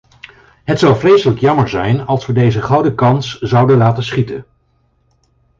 Het zou vreselijk jammer zijn als we deze gouden kans zouden laten schieten.